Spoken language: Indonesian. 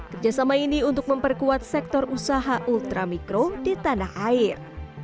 kerjasama ini untuk memperkuat sektor usaha ultramikro di tanah air